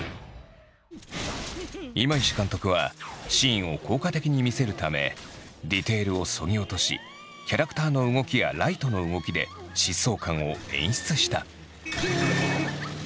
今石監督はシーンを効果的に見せるためディテールをそぎ落としキャラクターの動きやライトの動きで疾走感を演出した。